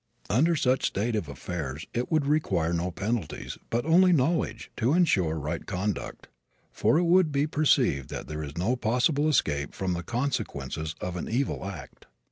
Under such a state of affairs it would require no penalties, but only knowledge, to insure right conduct, for it would be perceived that there is no possible escape from the consequences of an evil act.